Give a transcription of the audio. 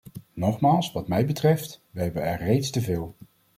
Nogmaals, wat mij betreft, we hebben er reeds te veel.